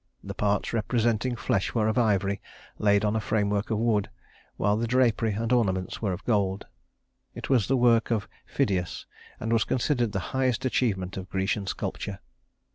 The parts representing flesh were of ivory laid on a framework of wood, while the drapery and ornaments were of gold. It was the work of Phidias, and was considered the highest achievement of Grecian sculpture.